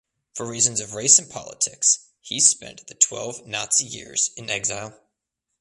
For reasons of race and politics he spent the twelve Nazi years in exile.